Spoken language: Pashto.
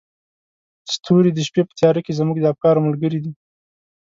ستوري د شپې په تیاره کې زموږ د افکارو ملګري دي.